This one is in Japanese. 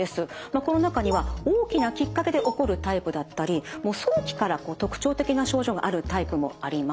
この中には大きなきっかけで起こるタイプだったりもう早期から特徴的な症状があるタイプもあります。